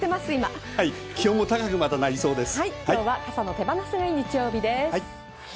気温も高くなりそうです。